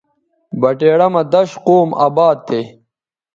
بٹیڑہ مہ دش قوم اباد تھے